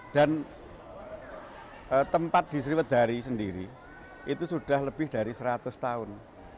dan tempat di sriwetdhari sendiri itu sudah lebih dari seratus tahun